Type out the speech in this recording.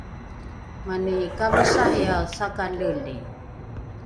mani kavisariae sakaleli